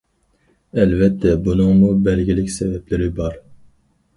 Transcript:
ئەلۋەتتە بۇنىڭمۇ بەلگىلىك سەۋەبلىرى بار.